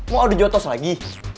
mau ada jotos lagi